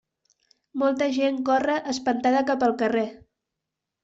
Molta gent corre espantada cap al carrer.